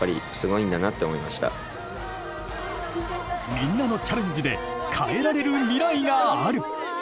みんなのチャレンジで変えられる未来がある！